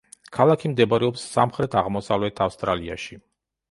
ქალაქი მდებარეობს სამხრეთ–აღმოსავლეთ ავსტრალიაში.